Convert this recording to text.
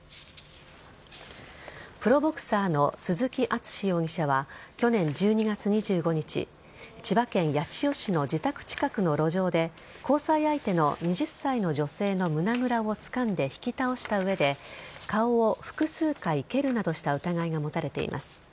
プロボクサーの鈴木淳容疑者は去年１２月２５日千葉県八千代市の自宅近くの路上で交際相手の２０歳の女性の胸ぐらをつかんで引き倒した上で顔を複数回蹴るなどした疑いが持たれています。